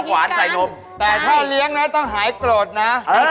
หวานใส่นมแต่ถ้าเลี้ยงนะต้องหายโกรธนะ